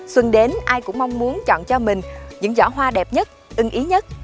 xuân đến ai cũng mong muốn chọn cho mình những giỏ hoa đẹp nhất ưng ý nhất